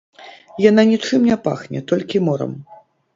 Яна нічым не пахне, толькі морам.